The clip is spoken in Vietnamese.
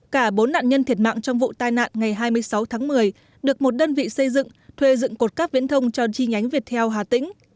cả bốn nạn nhân thiệt mạng trong vụ tai nạn ngày hai mươi sáu tháng một mươi được một đơn vị xây dựng thuê dựng cột cắp viễn thông cho chi nhánh việt theo hà tĩnh